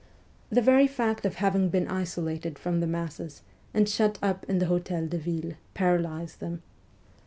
The very fact of having been isolated from the masses and shut up in the Hotel de Ville paralysed them.